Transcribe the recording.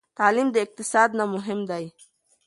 تعلیم د اقتصاد نه مهم دی.